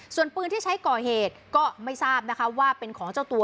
ส่วนปืนที่ใช้ก่อเหตุก็ไม่ทราบนะคะว่าเป็นของเจ้าตัว